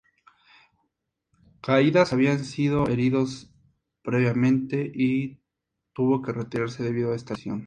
Caídas habían sido heridos previamente y tuvo que retirarse debido a esta lesión.